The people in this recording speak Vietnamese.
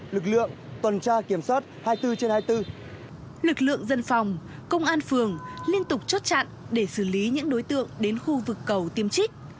lực lượng dân phòng công an phường liên tục chốt chặn để xử lý những đối tượng đến khu vực cầu tiêm trích